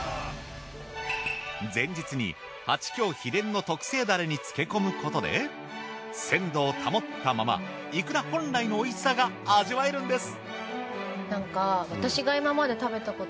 前日にはちきょう秘伝の特製だれに漬け込むことで鮮度を保ったままいくら本来のおいしさが味わえるんです！